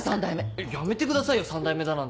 やめてくださいよ３代目だなんて。